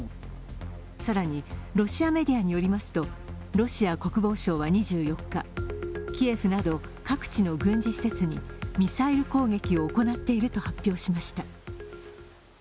更にロシアメディアによりますと、ロシア国防省は２４日、キエフなど各地の軍事施設にミサイル攻撃を行っていると発表しました。